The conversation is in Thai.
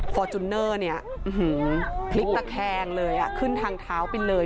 ฟอร์จูเนอร์เนี่ยพลิกตะแคงเลยขึ้นทางเท้าไปเลย